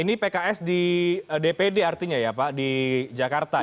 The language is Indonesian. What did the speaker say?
ini pks di dpd artinya ya pak di jakarta ya